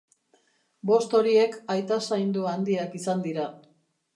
Bost horiek aita saindu handiak izan dira.